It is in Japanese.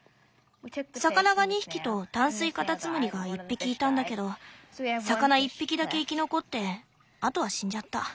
魚が２匹と淡水カタツムリが１匹いたんだけど魚１匹だけ生き残ってあとは死んじゃった。